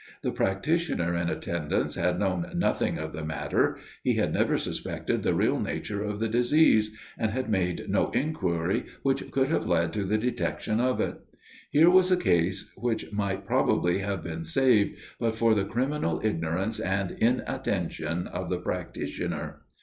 The practitioner in attendance had known nothing of the matter; he had never suspected the real nature of the disease, and had made no inquiry which could have led to the detection of it. Here was a case which might probably have been saved, but for the criminal ignorance and inattention of the practitioner.